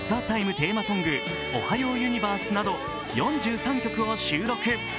テーマソング「おはようユニバース」など４３曲を収録。